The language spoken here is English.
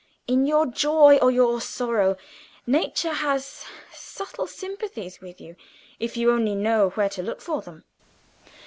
In your joy or your sorrow, Nature has subtle sympathies with you, if you only know where to look for them.